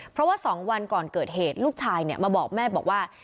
เพราะว่า๒วันก่อนเกิดเหตุลูกชายมาบอกแม่บอกว่า